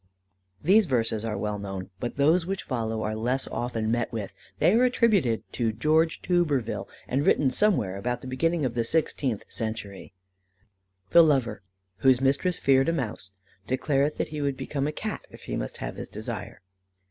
These verses are well known, but those which follow are less often met with: they are attributed to George Tuberville, and written somewhere about the beginning of the sixteenth century: "THE LOUER, "Whose mistresse feared a mouse, declareth that he would become a Cat if he might haue his desire.